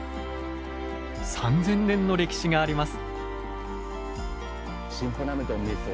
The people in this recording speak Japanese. ３，０００年の歴史があります。